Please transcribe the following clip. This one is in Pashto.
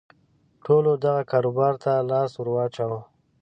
ټولو دغه کاروبار ته لاس ور واچاوه.